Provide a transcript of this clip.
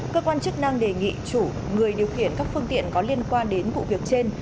cơ quan chức năng đề nghị chủ người điều khiển các phương tiện có liên quan đến vụ việc trên